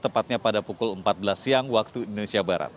tepatnya pada pukul empat belas siang waktu indonesia barat